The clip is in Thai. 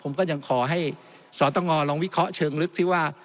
ผมก็ยังขอให้สตงลองวิเคราะห์เชิงลึกที่ว่า